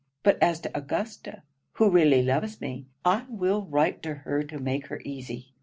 But as to Augusta, who really loves me, I will write to her to make her easy.